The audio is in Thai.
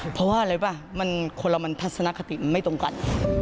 เพราะว่าอะไรป่ะคนเรามันทัศนคติมันไม่ตรงกัน